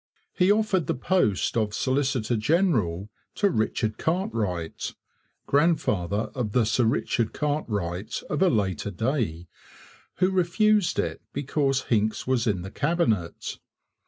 He offered the post of solicitor general to Richard Cartwright (grandfather of the Sir Richard Cartwright of a later day), who refused it because Hincks was in the Cabinet.